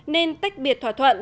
nên tách biệt thỏa thuận